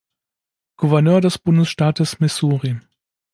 Gouverneur des Bundesstaates Missouri.